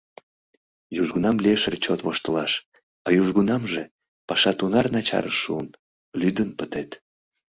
Южгунам лиеш ыле чот воштылаш, а южгунамже паша тунар начарыш шуын — лӱдын пытет.